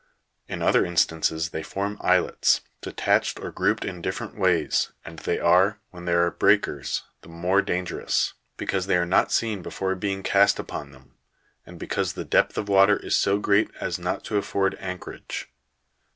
In other instances they form islets, detached or grouped in different ways, and they are, when there are breakers, the more dangerous, because they are not seen before being cast upon them, and because the depth of water is so great as not to afford anchorage.